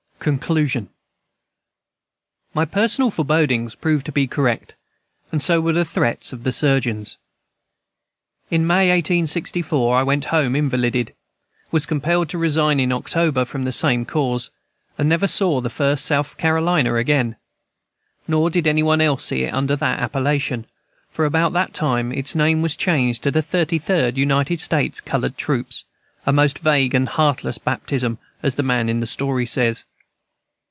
Conclusion My personal forebodings proved to be correct, and so were the threats of the surgeons. In May, 1864, I went home invalided, was compelled to resign in October from the same cause, and never saw the First South Carolina again. Nor did any one else see it under that appellation, for about that time its name was changed to the Thirty Third United States Colored Troops, "a most vague and heartless baptism," as the man in the story says.